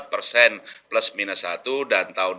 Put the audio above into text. plus minus satu dan tahun